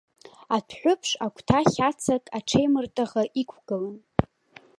Адәҳәыԥш агәҭа хьацак аҽеимыртаӷа иқәгылан.